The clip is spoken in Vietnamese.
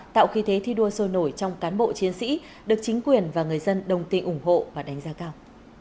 tạo khi thế thi đua sôi nổi trong cán bộ chiến sĩ được chính quyền và người dân đồng tình ủng hộ và đánh giá cao